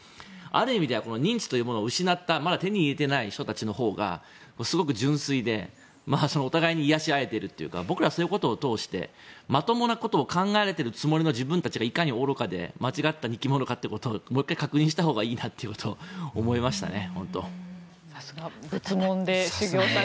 ある意味では認知というものを失ったまだ手に入れていない人たちのほうがすごく純粋で、お互いに癒やし合えているというか僕らはそういうことを通してまともなことを考えられているつもりの自分たちがいかに愚かで間違ったものかっていうことをもう一度確認したほうがいいと思いましたね。